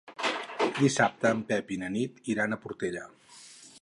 Dissabte en Pep i na Nit iran a la Portella.